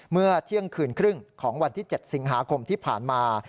เมื่อเที่ยงคืนครึ่งของวันที่๗สิงหาคมที่ผ่านมา